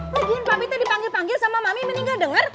lagian papi teh dipanggil panggil sama mami mendingan dengar